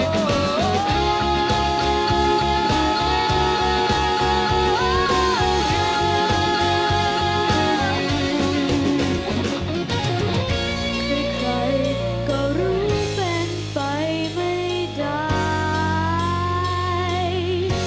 ใครใครก็รู้เป็นไปไว้ได้